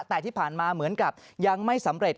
แต่ที่ผ่านมาเหมือนกับยังไม่สำเร็จ